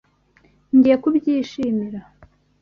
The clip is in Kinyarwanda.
Ngiye kubyishimira.